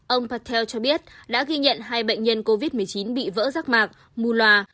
ông patel cho biết đã ghi nhận hai bệnh nhân covid một mươi chín bị vỡ rác mạc mù loà